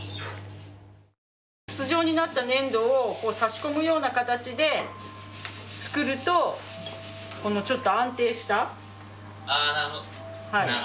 筒状になった粘土を差し込むような形で作ると安定した。